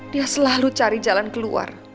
dia selalu cari jalan keluar